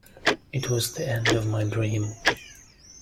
It was the end of my dream.